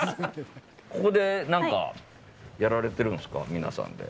ここで何かやられてるんですか皆さんで。